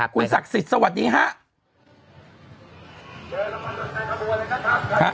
คุณศักดิ์สิทธิ์สวัสดีครับ